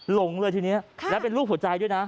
หลงเลยทีนี้แล้วเป็นรูปหัวใจด้วยนะ